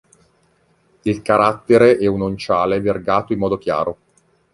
Il carattere è un onciale vergato in modo chiaro.